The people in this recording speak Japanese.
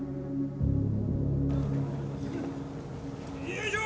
よいしょ！